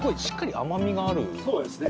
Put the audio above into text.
そうですね。